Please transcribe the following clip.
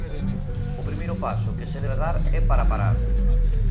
O primeiro paso que se debe dar é para parar.